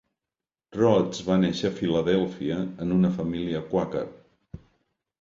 Rhoads va néixer a Filadèlfia en una família quàquer.